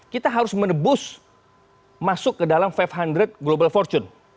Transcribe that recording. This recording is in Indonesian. kita harus menebus masuk ke dalam lima undrate global fortune